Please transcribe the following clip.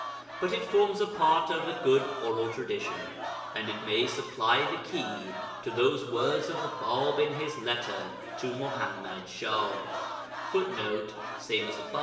But it forms a part of a good oral tradition, and it may supply the key to those words of the Bāb in his letter to Muḥammad Shah: [Footnote: Ibid.